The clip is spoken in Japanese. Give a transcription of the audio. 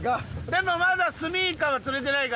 でもまだスミイカは釣れてないからな。